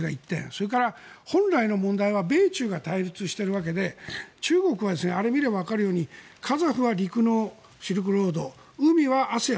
それから、本来の問題は米中が対立しているわけで中国はあれを見ればわかるようにカザフは陸のシルクロード海はＡＳＥＡＮです。